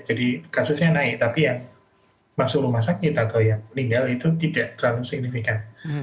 jadi kasusnya naik tapi yang masuk rumah sakit atau yang meninggal itu tidak terlalu signifikan